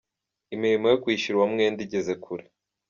Imirimo yo kwishyura uwo mwenda igeze kure.